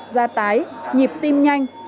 da tái nhịp tim nhanh